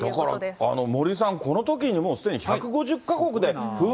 だから森さん、このときにもうすでに１５０か国で、風雲！